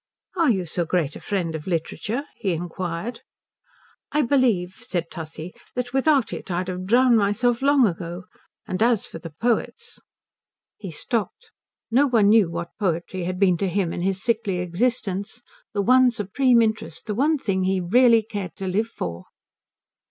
"Are you so great a friend of literature?" he inquired. "I believe," said Tussie, "that without it I'd have drowned myself long ago. And as for the poets " He stopped. No one knew what poetry had been to him in his sickly existence the one supreme interest, the one thing he really cared to live for.